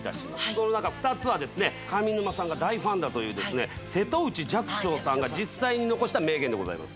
その中の２つは上沼さんが大ファンだという瀬戸内寂聴さんが実際に残した名言でございます。